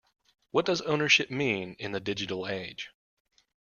What does ownership mean in the digital age?